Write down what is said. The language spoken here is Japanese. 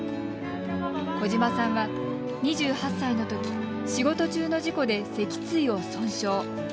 小島さんは２８歳のとき仕事中の事故で脊椎を損傷。